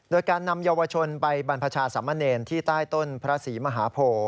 โดยการนำเยาวชนไปบรรพชาสามเณรที่ใต้ต้นพระศรีมหาโพ